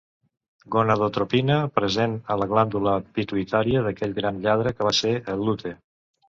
Gonadotropina present a la glàndula pituïtària d'aquell gran lladre que va ser el Lute.